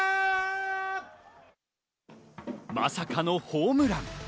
センター、まさかのホームラン。